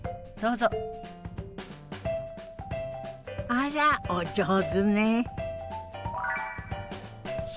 あらお上手ね。